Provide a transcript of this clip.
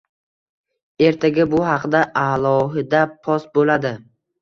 Ertaga bu haqda alohida post bo'ladi